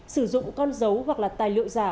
sử dụng con dấu hoặc là tài liệu giả